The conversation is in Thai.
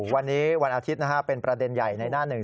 วันนี้วันอาทิตย์เป็นประเด็นใหญ่ในหน้าหนึ่ง